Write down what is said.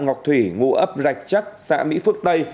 ngọc thủy ngụ ấp rạch chắc xã mỹ phước tây